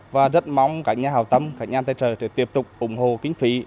và rất mong các nhà hào tâm các nhà tài trợ sẽ tiếp tục ủng hộ kinh phí